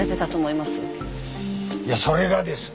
いやそれがですね。